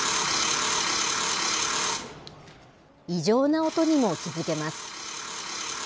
異常な音にも気付けます。